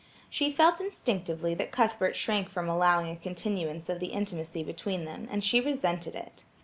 She felt instinctively that Cuthbert shrank from allowing a continuance of the intimacy between them, and she resented it.